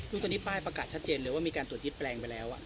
ตัวนี้ป้ายประกาศชัดเจนเลยว่ามีการตรวจยึดแปลงไปแล้ว